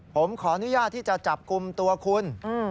ผมขออนุญาตที่จะจับกลุ่มตัวคุณ